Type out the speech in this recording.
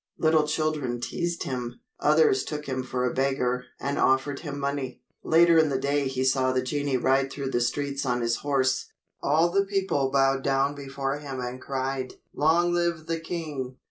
Little children teased him; others took him for a beggar and offered him money. Later in the day he saw the genii ride through the streets on his horse. All the people bowed down before him and cried, "Long live the king!"